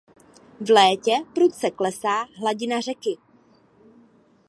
V létě prudce klesá hladina řeky.